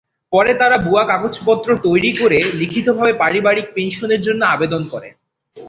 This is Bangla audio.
পরে তাঁরা ভুয়া কাগজপত্র তৈরি করে লিখিতভাবে পারিবারিক পেনশনের জন্য আবেদন করেন।